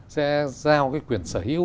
sẽ giao cái quyền sở hữu